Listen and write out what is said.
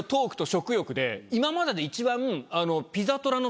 今までで一番。